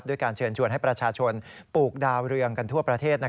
การเชิญชวนให้ประชาชนปลูกดาวเรืองกันทั่วประเทศ